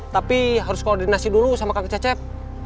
tapi harus koordinasi dulu sama kang cecep